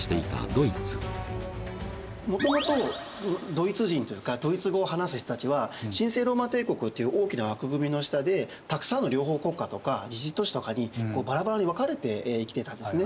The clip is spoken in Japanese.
もともとドイツ人というかドイツ語を話す人たちは神聖ローマ帝国という大きな枠組みの下でたくさんの領邦国家とか自治都市とかにバラバラに分かれて生きてたんですね。